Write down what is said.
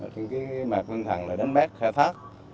trong cái mặt hương thẳng là đánh bắt khai thác